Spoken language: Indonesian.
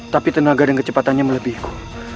tapi tenaga dan kecepatannya melebihiku